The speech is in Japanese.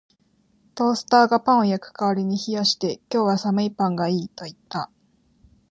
トースターがパンを焼く代わりに冷やして、「今日は寒いパンがいい」と言った